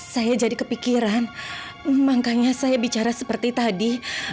saya jadi kepikiran makanya saya bicara seperti tadi